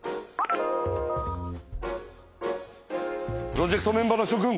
プロジェクトメンバーのしょ君。